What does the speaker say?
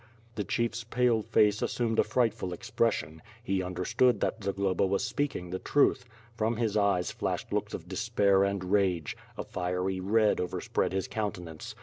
The chief's pale face assumed a frightful expression; he understood that Zagloba was speaking the truth; from his eyes flashed looks of despair and rage; a fiery red overspread his countenance.